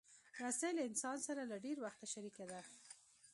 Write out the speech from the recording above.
رسۍ له انسان سره له ډېر وخته شریکه ده.